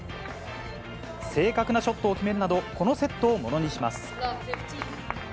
正確なショットを決めるなど、このセットをものにします。